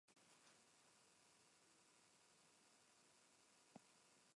Sus primeros pasos como director fueron en el terreno del cortometraje.